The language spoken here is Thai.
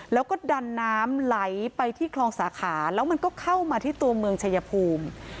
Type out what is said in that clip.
แล้วก็ดันน้ำไหลไปที่คลองสาขาแล้วมันก็เข้ามาที่ตัวเมืองชายภูมิ